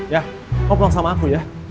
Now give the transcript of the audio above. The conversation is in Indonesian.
ya kamu pulang sama aku ya